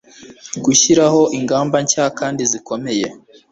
gushyiraho ingamba nshya kandi zikomeye